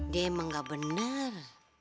dia emang gak bener